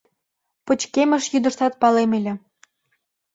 Пычкемыш йӱдыштат палем ыле.